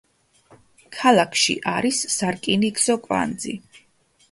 ქალაქში არის სარკინიგზო კვანძი.